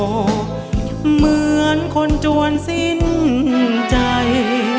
เหมือนคนจวนสิ้นใจ